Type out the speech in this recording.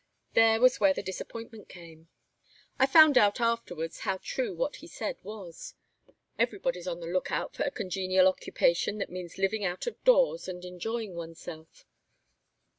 There was where the disappointment came. I found out afterwards how true what he said was. Everybody's on the lookout for a congenial occupation that means living out of doors and enjoying oneself.